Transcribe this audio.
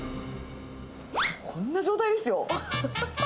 こんな状態ですよ。